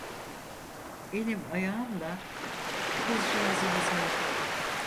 Elim ayağımla kızcağızımı sardım.